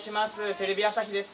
テレビ朝日です。